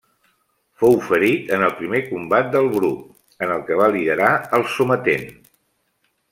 Fou ferit en el primer combat del Bruc, en el que va liderar el sometent.